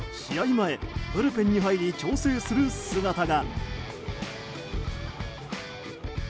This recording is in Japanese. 前ブルペンに入り調整する姿が。